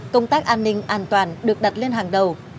công tác an ninh an toàn được đặt lên hàng đầu